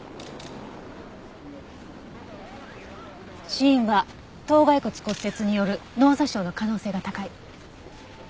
死因は頭蓋骨骨折による脳挫傷の可能性が高い。